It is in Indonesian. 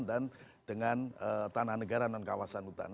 dan dengan tanah negara dan kawasan hutan